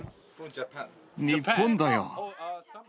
日本だよ。